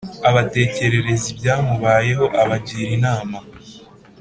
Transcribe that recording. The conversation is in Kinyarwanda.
abatekerereza ibyamubayeho abagira inama